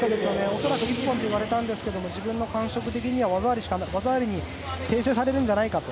恐らく、一本と言われたんですけれども自分の感触的に技ありに訂正されるんじゃないかと。